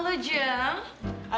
aduh jang ini pembantu kok susah amat ya